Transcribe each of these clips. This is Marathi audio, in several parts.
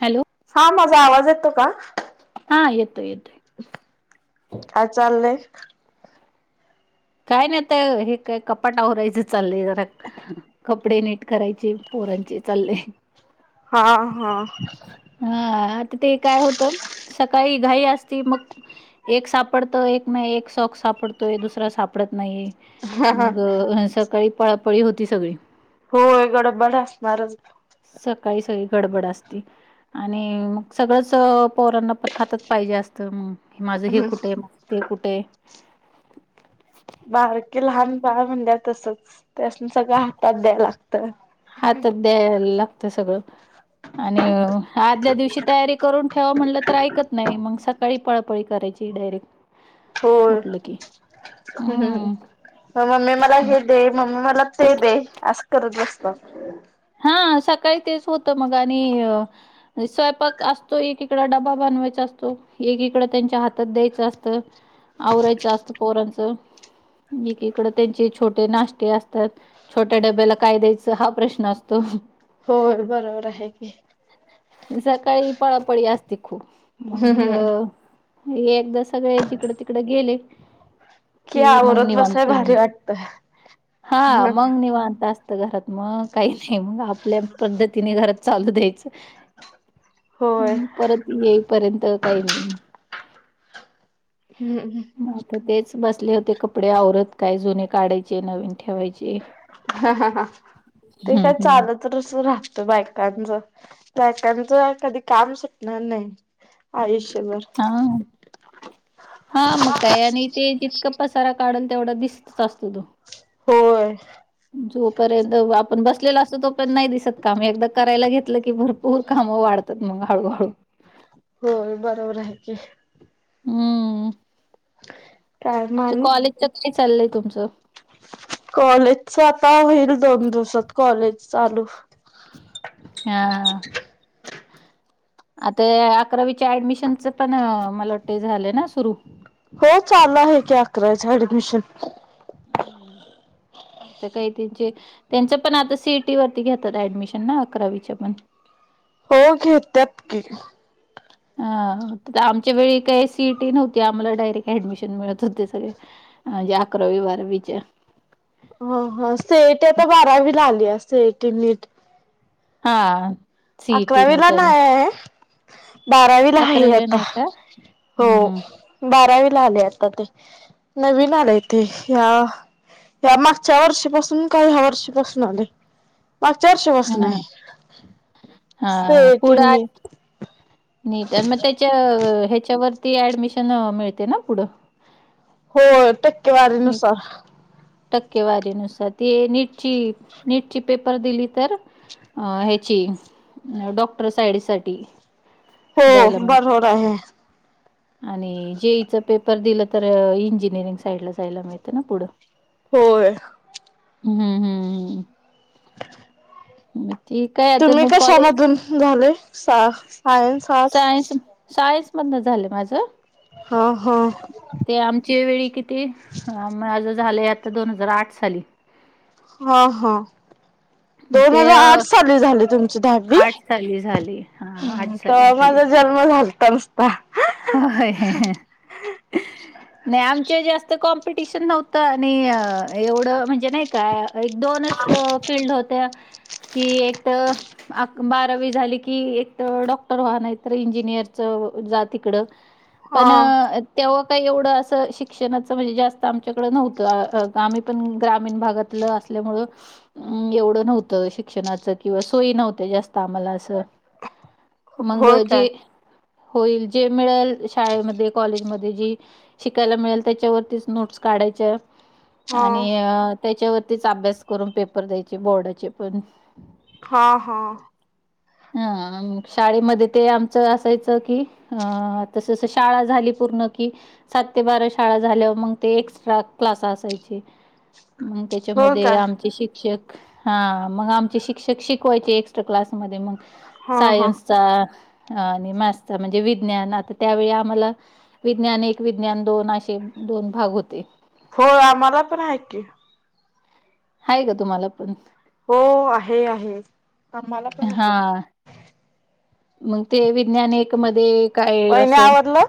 हॅलो हा माझा आवाज येतो का? हा येतो येत हं काय चाललय? काय नाही तर हे काय कपाट आवरायचं चाललंय जरा कपडे नीट करायचे पोरांचे चाललयं. हा हा हा आता ते काय होतं सकाळी घाई असती मग एक सापडतो एक नाही एक सॉक सापडतोय दुसरा साप नाही मग सकाळी पळापळी होती सगळी. होय गडबड असणारचं. सकाळी सगळी गडबड असती आणि मग सगळंच पोरांना पण हातात पाहिजे असतं मग क माझं हे कुठे आहे माझं ते कुठयं. बारकी लहान बाळ म्हणल्या तसच त्यासनी सगळं हातात द्याय ला हातात द्यायला लागतंय सगळं. आणि आदल्या दिवशी तयारी करून ठेवा म्हणलं तर ऐकत नाही मग सकाळी पळापळी करा म्हणजे डायरेक्ट उठलं कि हं हं हं म मम्मी मला हे दे मम्मी मला ते दे असं करत बस ता ह सकाळी तेच होत मग आणि स्वयंपाक असतो ऐकीकडं डबा बनवायचा अस तो एकीकड त्यांच्या हातात द्यायच असतं आवरायचं असतं पोरांचं. एकीकडं त्यांचे छोटे नाश्ते असत्यात छोट्या डब्याला काय द्यायच हा प्रश्न अस तो होय बरोबर आहे की. सकाळी पळापळी असते खूप मंग हम्म एकदा सगळे जिकडं तिकडं गेले कि मग आवरत निवांत बसाय असं भारी वाटत हा मग निवांत अस तर घरात मग काही नाही मग आपल्या पद्धतीने घरात चालू द्यायचं. होय परत येईपर्यंत काही नाही नाही तर तेच बसले होते कपडे आवरत काय जुने काढायचे नवीन ठेवायचे. हा हा हा ते हं, काय हं. चाल तरच रा बायकांच बायकांच कधी काम सुटणार नाही आयुष्य हा हा हा मग काय आणि ते जितकं पसारा काढून तेवढा दिसतच असतो तो. होय. जोपर्यंत आपण बसलेलं असतो तोपर्यंत नाही दिसत काम एकदा करायला घेत की भरपूर काम वाढतात मग हळूहळू. होय बरोबर आहे की. हम्म. काय तुज कॉलेजच काय चाललंय तुमचं? कॉलेज च आता होईल दोन दिवसात कॉलेज चालू. हा हा हा. आता ये अकरावीच्या ऍडमिशनच पण मला वाटंतय झालं ना सुरु हो चालू आहे की अकरावी ऍडमिशन. ता काही त्यांचे त्यांच पण आता सीईटी वरती घेतात ऍडमिशन ना अकरावीच्या पण. हो घेत्यात की. अ आमच्या वेळी काही सीईटी नव्हती, आम्हाला डायरेक्ट ऍडमिशन मिळत होते सगळे. म्हणजे अकरावी बारावीचे. ह हा सीईटी आता बारावीला आलीये सिईटी नीट. हा. सीईटी अकरावीला नीट आणि नाही ये बारावीला आहे अकरावी आता नाही का हो हम्म हम्म बारावीला आले आता ते नवीन आलाय ते या या मागच्या वर्षीपासून का ह्या वर्षीपासून आलेय मागच्या वर्षीपासून हा आहे हा ते पुढं टिनली आणि नीट आणि मग त्याच्या ह्याच्यावरती ऍडमिशन मिळते ना पुढं? हो टक्केवारी नुसार टक्केवारी नुसार ते नीटची नीटची पेपर दिली तर? अ ह्याची डॉक्टर साईड साठी हो बरोबर आहे. आणि जेईच पेपर दिलं तर इंजिनिअरिंग साईडला जायला मिळतं ना पुढं? होय. हम्म हम्म. हो [inaudible] तुम्ही कशामधून झालय साय सायन्स आर्टस? बंद झालं माझं हा हा. आमची वेळी ते माझं झालंय आता दोन हजार आठ साली हा हा मग दोन ते हजार अ, आठ साली झालंय तुमचं? दहावी आठ साली झाली हा आठ साली तवा झाली. माझा जन्म झालता होय. अ नाही आमच्या जास्त कॉम्पिटिशन नव्हतं आणि एवढं म्हणजे नाही का एक दोनच फिल्ड होते कि एक आक बारावी झाली की एक डॉक्टर व्हा नाही तर इंजिनीर इंजिनिअरिंग जा तिकडं हा पण तेव्हा काही एवढं अस शिक्षणाच म्हणजे जास्त आमच्याकडं नव्हतं आम्ही पण ग्रामीण भागातलं असं असल्यामुळे एवढं नव्हतं शिक्षणाच किंवा सोय नव्हते जास्त आम्हाला असं मग होय काय? जे होईल जे मिळेल शाळेमध्ये कॉलेजमध्ये जी शिकायला मिळेल त्याच्यावरतीच नोटस काढायच्या जे हा आणि त्याच्यावरतीच अभ्यास करून पेपर द्यायचे बोर्डाचे पण हा हा. हा शाळेमध्ये ते आमचं असायचं की अअअ तसं तसं शाळा झाली पूर्ण कि सात ते बारा शाळा झाल्यावर मग ते एक्स्ट्रा क्लास असायचे. मग होय त्याच्यामध्ये काय? आमचे शिक्षक हा मग आमचे शिक्षक शिकवायचे एक्स्ट्रा क्लास मध्ये मग हा हा सायन्सचा हा आणि मॅथचा म्हणजे विज्ञान आता त्यावेळी आम्हाला विज्ञान एक विज्ञान दोन असे दोन भाग होते. हो आम्हाला पण हायत कि. हाय का तुम्हाला पण? हो आहे आहे आम्हाला पण हा आहे. मग ते विज्ञान एक मध्ये काय वहिनी असं आवरलं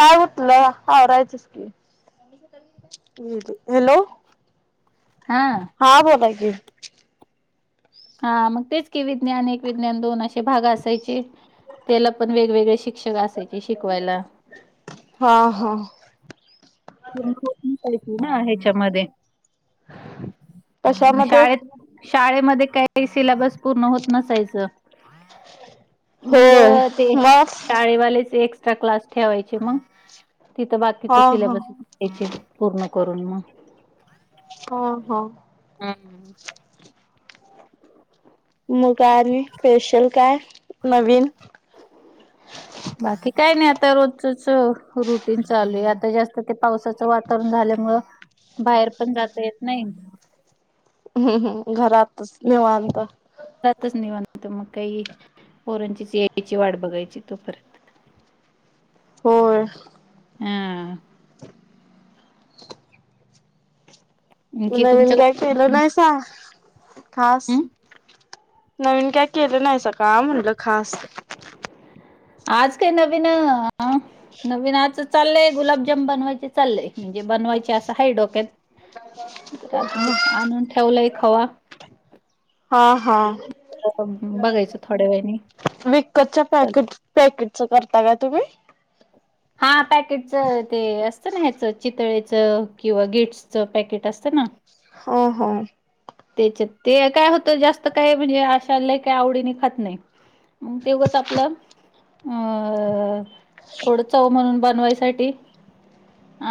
काय उठ तुला आवरायचच की हॅलो हा हा बोला कि हा मग तेच की विज्ञान एक विज्ञान दोन असे भाग असायचे त्याला पण वेगवेगळे शिक्षक असायचे शिकवायला हा हा. पूर्ण होत नसायची ना ह्याच्यामध्ये कशामध्ये शाळेत शाळेमध्ये काही काही सिलेबस पूर्ण होत नसायचं. मंग होय ते मस्त शाळेवालेचे एक एस्ट्रा क्लास ठेवायचे मग तिथं बाकीच हा हा सिलेबस त्याची पूर्ण करून मग ह ह हम् मग काय आणि स्पेशल काय नवीन? काही नाही आता रोजचच रुटीन चालू आहे आता जास्त काय नाही. पावसाचं वातावरण झाल्यामुळे बाहेर पण जाता येत नाही. हम्म हम् घरातच निवांत. घरातच निवांत मग काय पोरं यायची वाट बघायची तोपर्यंत. होय हम्म आणखी नवीन काय केलं तुमच्याकडे नाहीसा. खास हम्म नवीन काय केलं नाही सा का म्हणलं खास? आज काही नवीन नवीन आज चाललय गुलाबजाम बनवायचे चाललय म्हणजे बनवायचे असं हाय डोक्यात. रात्रीत आणून ठेवलंय खवा. हा हा बघायचं थोड्या वेळाने विकतच्या पॅकेट पॅकेट चोपटता का तुम्ही? हा पॅकेटच ते असत. कुठलं पण घ्यायचं चितळेचं किंवा गिट्सचं पॅकेट असतं ना. हा हा त्याच्यात ते काय होत जास्त काय म्हणजे अशा काही आवडी नि खात नाही. मग तेवढंच आपलं आ थोड चव म्हणून बनवायसाठी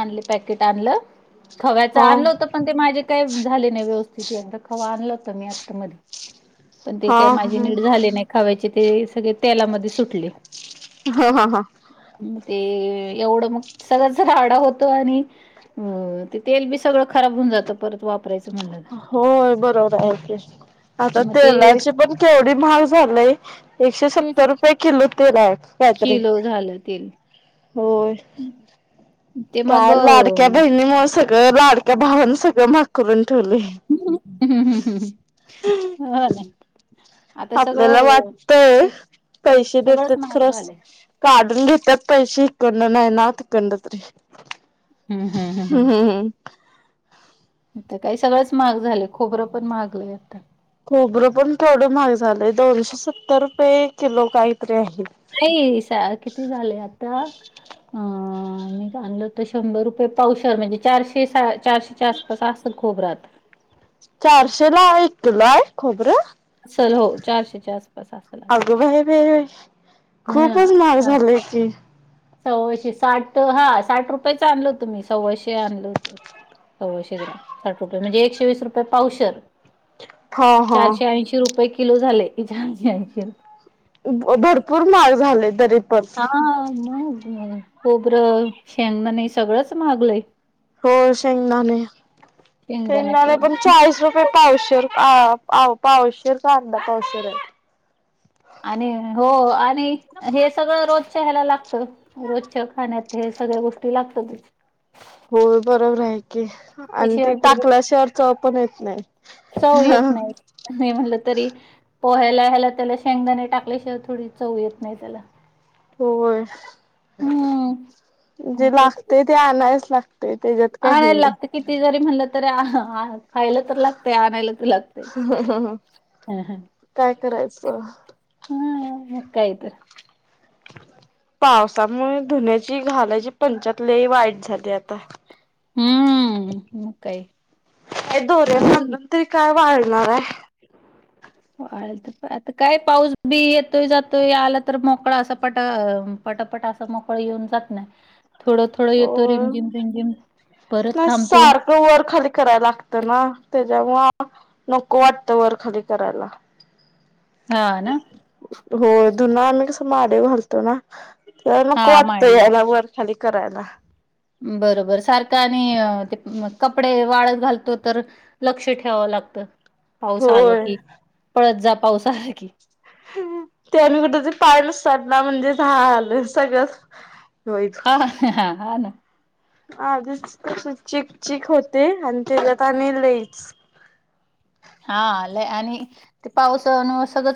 आणली पॅकेट आणलं. खव्याचं हा आणलं होत पण ते माझे काय झाले नाही व्यवस्थित खवा आणलं होत. मी आता मध्ये पण ते हा काय माझे हा नीट झाले नाही खव्याचे ते सगळे तेलामध्ये सुटले. ह ह ह ते एवढं मग सगळंच राडा होतो आणि अ तेल बी सगळं खराब होऊन जात परत वापरायच. होय बरोबर आहे ते आता मग ते तेलाची पण केवढी महाग झालय. एकशे तेच सत्तर की रुपये किलो तेल आहे. काहीतरी किलो झालं तेल. होय ते मग काय लाडक्या अ, बहिणी मुळे सगळं लाडक्या भावान सगळं महाग करून ठेवलं. हम् हम् हम आपल्याला वाटतय पैसे सगळंच देतात महाग खरच झालंय काढून घेतात पैसे शी कड नाय नात कडत्री हम्म हम्म हम्म हम्मम् हम् आता काय सगळंच महाग झालय खोबरं पण महागलय आता. खोबरं पण केवड महाग झालं दोनशे सत्तर रुपये किलो काही पण नाही सा किती झालं आता आम्ही आणलं तर तर शंभर रुपये पावशेर म्हणजे चारशे चारशेच्या आसपास असेल खोबरात. चारशे ला एक किलो हाय खोबरं? चल हो चारशे चार आस अगं बाई बाई खूपच हां. महाग साठ झालय की. सव्वाशे साठ हा साठ रुपयेच आणल होत मी तुम्ही सव्वाशे आणल होत. सव्वाशे ग्राम साठ रुपये म्हणजे एकशे वीस रुपये पावशेर. हा हा चारशे ऐंशी रुपये किलो झालय चारशे ऐंशी रुपये. भरपूर महाग झाले तरी पण हा मग अ खोबरं शेंगणे सगळंच महागलंय हो शेंगदाणे शेंगदाणे पण चाळीस रुपये पावशर. आ पाव पावशर का अर्धा पावशेर ये. आणि हो आणि हे सगळं रोज त्या ह्याला लागतचं रोजच्या खाण्यात हे सगळ्या गोष्टी लागततच. हो बरोबर आहे की आणि ते त्याशिवाय तर टाकल्याशिवाय चव पण येत नाय. चव येत नाय नाही म्हटलं तरी पोह्याला ह्याला त्याला शेंगदाणे टाकल्याशिवाय थोडी चव येत नाय त्याला होय. हम्म जे लागतय ते आणायच लागतय त्याज्यात काय हे आणायला लागत नाय. किती जरी म्हणलं तरी खायला तर लागत आणायला तर लागतय. हा हा काय करायचं. हं मग काय तर [unintelligible] पावसामुळे धुन्याची घालायची पंचात लई वाईट झाली आता. हम्म मग काय हे दोऱ्या आता बांधून तरी काय वाळणार आहे. [inaudible] वाळ तर आता काय पाऊस बी येतोय जातोय आला तर मोकळा असा पटा पटा पटा अस मोकळ येऊन जात नाय थोडं थोडं येतो रिमझिम रिमझिम. परत नाय थांबतो सारखं वर खाली करायला लागत ना त्याच्यामुळ नको वाटतं वर खाली करायला. हा ना हो धून आणि अस मा वर घालतो ना त हा नको वाटत माडीवर यायला वर खाली करायला. बरोबर सारखं आणि ते कपडे वाळत घालतो तर लक्ष ठेवाव लागत पाऊस आला होय की पळत जा. पाऊस आहे की त्यानी कुठ तरी पाय सरला म्हणजे झालं सगळं हा हा हा ना आजच तस चीक चीक होते आणि त्याज्यात आणि लईच [inaudible] हा लय आणि ते पावस न सगंळचं व